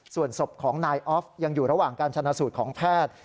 ส่วนศพของนายออฟยังอยู่ระหว่างการชนะสูตรของแพทย์